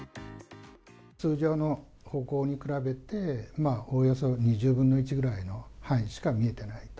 通常の歩行に比べて、おおよそ２０分の１ぐらいの範囲しか見えてないと。